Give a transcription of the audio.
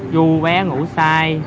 du bé ngủ sai